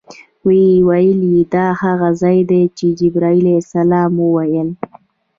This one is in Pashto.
ویل یې دا هغه ځای دی چې جبرائیل علیه السلام وویل.